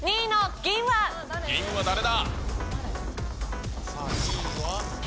銀は誰だ？